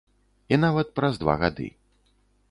І нават праз два гады.